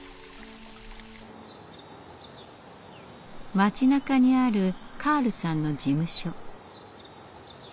町なかにあるカールさんの事務所。